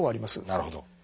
なるほど。